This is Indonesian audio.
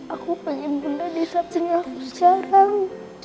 aku pengen bunda disamping aku sekarang